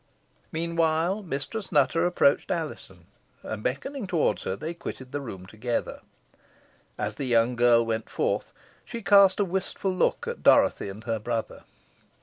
Meanwhile, Mistress Nutter approached Alizon, and beckoning her towards her, they quitted the room together. As the young girl went forth, she cast a wistful look at Dorothy and her brother.